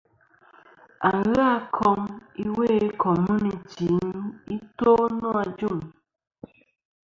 Aghɨ a kom iwo i komunity i to nô ajuŋ.